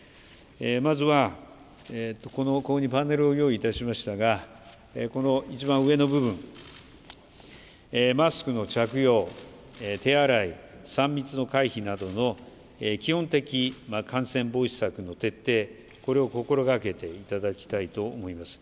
まずは、ここにパネルを用意いたしましたが、この一番上の部分、マスクの着用、手洗い、３密の回避などの基本的感染防止策の徹底、これを心がけていただきたいと思います。